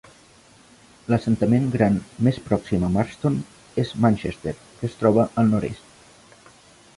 L'assentament gran més pròxim a Marston és Manchester, que es troba al nord-est.